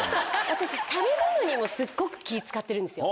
私食べ物にもすっごく気ぃ使ってるんですよ。